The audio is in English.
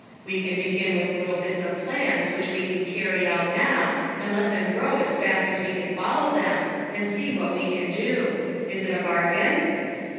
" We can begin with little bits of plans which we can carry out now, and let them grow as fast as we can follow them, and see what we can do. Is it a bargain